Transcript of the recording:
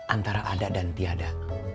antara ada dan tiada